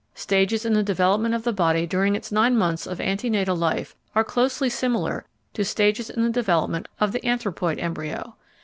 Stages in the development of the body during its nine months of ante natal life are closely similar to stages in the development of the anthropoid embryo.